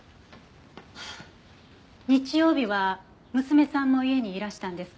日曜日は娘さんも家にいらしたんですか？